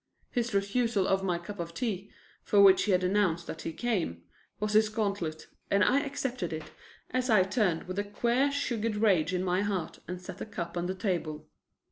His refusal of my cup of tea, for which he had announced that he came, was his gauntlet and I accepted it as I turned with the queer sugared rage in my heart and set the cup on the table.